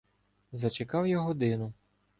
Зачекав я годину.